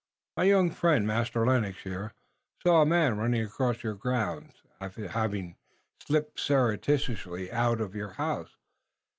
"My young friend, Master Lennox, here, saw a man running across your grounds, after having slipped surreptitiously out of your house.